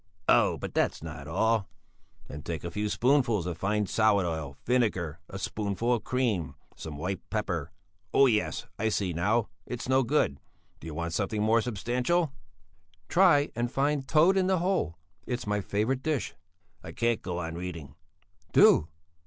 "Oh, but that's not all. Then take a few spoonfuls of fine salad oil, vinegar, a spoonful of cream, some white pepper oh, yes, I see now, it's no good. Do you want something more substantial?" "Try and find toad in the hole. It's my favourite dish." "I can't go on reading." "Do!"